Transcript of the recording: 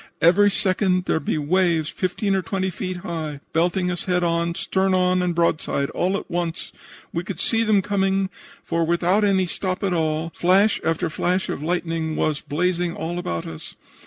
Every second there'd be waves 15 or 20 feet high, belting us head on, stern on and broadside, all at once. We could see them coming, for without any stop at all flash after flash of lightning was blazing all about us.